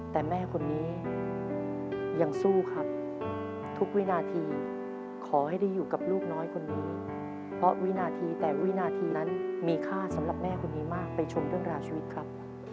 แต่แม่คนนี้ยังสู้ครับทุกวินาทีขอให้ได้อยู่กับลูกน้อยคนนี้เพราะวินาทีแต่วินาทีนั้นมีค่าสำหรับแม่คนนี้มากไปชมเรื่องราวชีวิตครับ